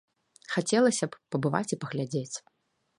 Хацелася б пабываць і паглядзець.